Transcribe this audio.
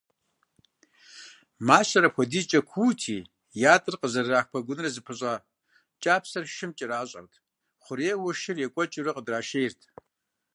Мащэр апхуэдизкӏэ куути, ятӏэр къызэрырах пэгуныр зыпыщӏа кӏапсэр шым кӏэращӏэрт, хъурейуэ шыр екӏуэкӏыурэ къыдрашейрт.